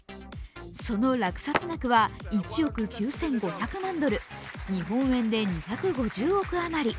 その落札額は１億９５００万ドル、日本円で２５０億あまり。